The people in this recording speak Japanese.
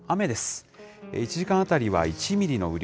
１時間当たりは１ミリの雨量。